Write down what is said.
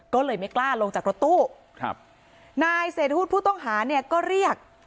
ก็เลยไม่กล้าลงจากรถตู้ครับนายเศรษฐวุฒิผู้ต้องหาเนี่ยก็เรียก